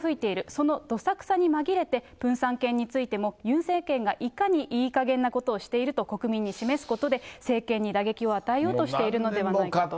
そのどさくさに紛れて、プンサン犬についても、ユン政権がいかにいいかげんなことをしていると国民に示すことで、政権に打撃を与えようとしているのではないかと。